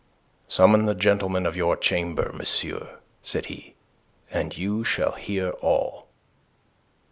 "Summon the gentlemen of your Chamber, monsieur," said he, "and you shall hear all."